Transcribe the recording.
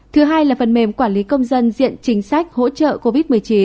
thứ hai là phần mềm quản lý công dân diện chính sách hỗ trợ covid một mươi chín